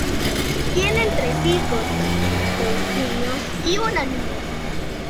Tienen tres hijos, dos niños y una niña.